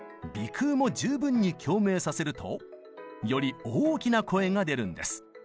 鼻腔も十分に共鳴させるとより大きな声が出るんです。